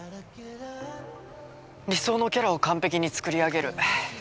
理想のキャラを完璧に作り上げる。